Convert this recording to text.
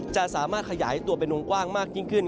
จะสามารถขยายตัวเป็นวงกว้างมากยิ่งขึ้น